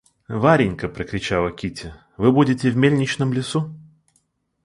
Варенька!— прокричала Кити, — вы будете в мельничном лесу?